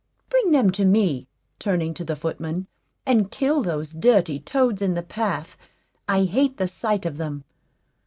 Bring them to me," turning to the footman, "and kill those dirty toads in the path; I hate the sight of them."